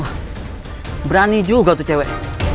wah berani juga tuh cewek